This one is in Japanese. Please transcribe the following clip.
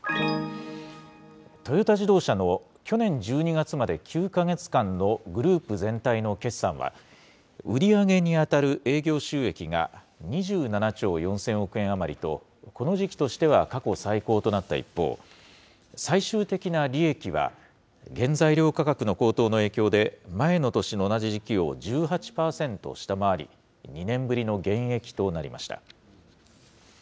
トヨタ自動車の去年１２月まで９か月間のグループ全体の決算は、売り上げに当たる営業収益が、２７兆４０００億円余りとこの時期としては過去最高となった一方、最終的な利益は、原材料価格の高騰の影響で、前の年の同じ時期を１８％下回り、２年ぶりの減益となりました。